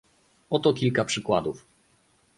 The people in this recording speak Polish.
Oto kilka przykładów